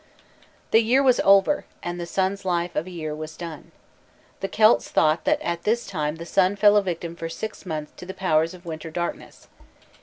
The year was over, and the sun's life of a year was done. The Celts thought that at this time the sun fell a victim for six months to the powers of winter darkness.